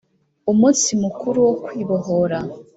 Umunsi Mukuru wo Kwibohora.